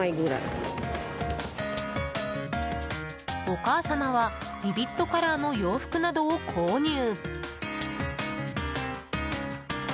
お母様はビビッドカラーの洋服などを購入。